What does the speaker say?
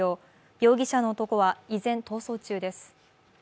容疑者の男は依然、逃走中です。